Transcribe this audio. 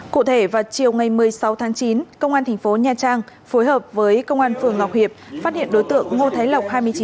cụ thể vào chiều ngày một mươi sáu tháng chín công an tp nha trang phối hợp với công an phường ngọc hiệp phát hiện đối tượng ngô thái lộc